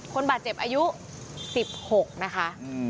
คนบาดเจ็บอายุ๑๖นะคะ